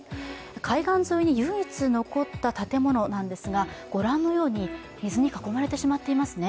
海岸沿いに唯一残った建物なんですが、ご覧のように水に囲まれてしまっていますね。